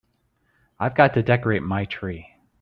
I've got to decorate my tree.